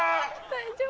大丈夫？